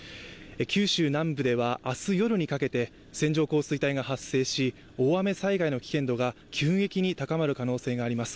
九州南部では明日夜にかけて線状降水帯が発生し大雨災害の危険度が急激に高まる可能性があります。